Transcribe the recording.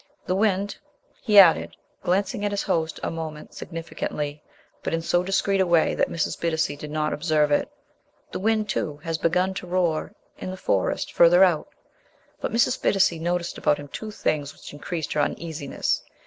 The wind," he added, glancing at his host a moment significantly, but in so discreet a way that Mrs. Bittacy did not observe it, "the wind, too, has begun to roar... in the Forest... further out." But Mrs. Bittacy noticed about him two things which increased her uneasiness.